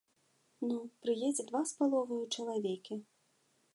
Ну, прыедзе два з паловаю чалавекі.